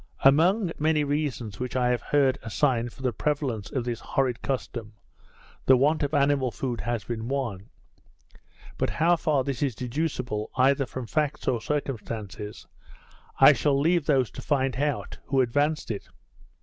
Among many reasons which I have heard assigned for the prevalence of this horrid custom, the want of animal food has been one; but how far this is deducible either from facts or circumstances, I shall leave those to find out who advanced it.